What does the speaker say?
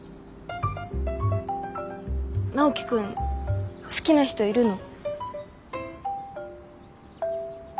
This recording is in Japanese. ナオキ君好きな人いるの？